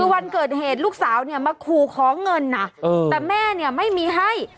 ตอนเกิดเหตุลูกสาวมาขู่ขอเงินแต่แม่ไม่มีให้